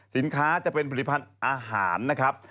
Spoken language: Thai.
สินค้าจะเป็นผลิตภัณฑ์อาหารนะครับ